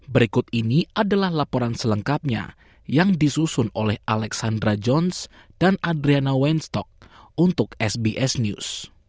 berikut ini adalah laporan selengkapnya yang disusun oleh alexandra jones dan adriana weinstock untuk sbs news